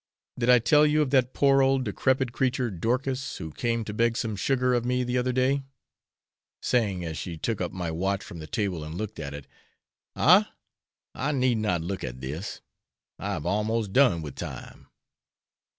Did I tell you of that poor old decrepid creature Dorcas, who came to beg some sugar of me the other day? saying as she took up my watch from the table and looked at it, 'Ah? I need not look at this, I have almost done with time!'